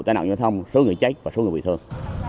tai nạn giao thông số người chết và số người bị thương